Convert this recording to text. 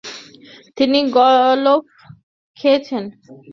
তিনি গলফ খেলছেন?